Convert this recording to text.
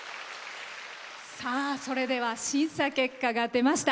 それでは、審査結果が出ました。